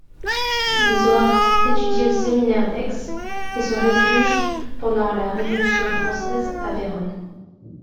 D'Isoard étudie au séminaire d'Aix et se refuge pendant la Révolution française à Vérone.